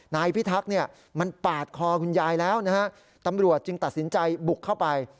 นายพิทักษ์เนี่ยมันปาดคอคุณยายแล้วนะฮะตำรวจจึงตัดสินใจบุกเข้าไป